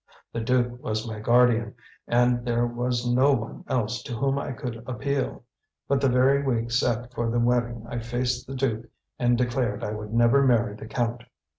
The duke was my guardian, and there was no one else to whom I could appeal; but the very week set for the wedding I faced the duke and declared I would never marry the count.